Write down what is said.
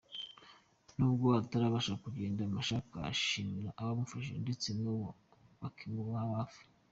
Nubwo atarabasha kugenda , Meshak arashimira abamufashije ndete nubu bakimuba hafi.